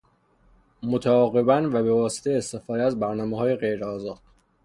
متعاقبا و به واسطه استفاده از برنامههای غیر آزاد